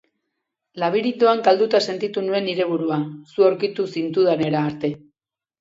Labirintoan galduta sentitu nuen nire burua zu aurkitu zintudanera arte.